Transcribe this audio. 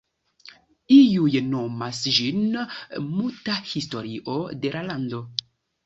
Iuj nomas ĝin: ""Muta historio de la lando"".